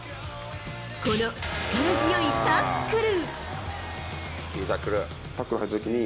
この力強いタックル。